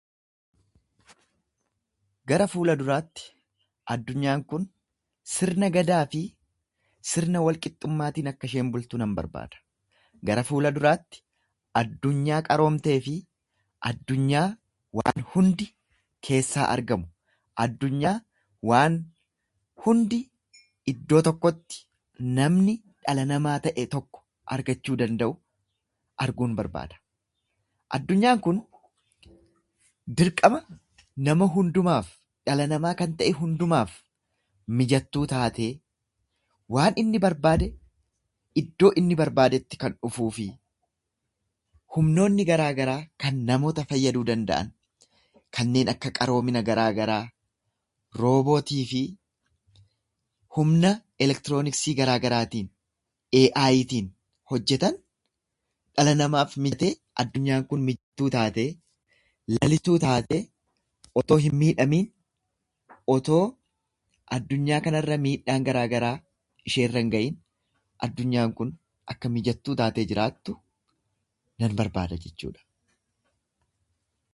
Gara fuulaa duraatti addunyaan kun sirna Gadaa fi sirna Wal qixxummaatiin akka isheen bultu nan barbaada. Gara fuula duraatti addunyaa qaroomtee fi addunyaa waan hundi keessaa argamu, addunyaa waan hundi iddoo tokkotti namni dhala namaa ta'e tokko argachuu danda'u arguun barbaada. Addunyaan kun dirqama nama hundumaaf, dhala namaa kan ta'e hundumaaf mijattuu taatee, waan inni barbaade iddoo inni barbaadetti kan dhufuufi; humnoonni garaagaraa kan namoota fayyaduu danda'an, kanneen akka qaroomina garaagaraa, roobootii fi humna elektirooniksii garaagaraatiin, ee'aayiitiin hojjetan dhala namaaf mijatee, addunyaan kun mijattuu taatee, lalistuu taatee, otoo hin miidhamiin, otoo addunyaa kanarraa miidhaan garaagaraa ishee irra hin gahiin addunyaan kun akka mijattuu taatee jiraattu nan barbaada jechuudha.